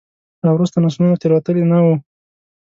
راوروسته نسلونو تېروتلي نه وو.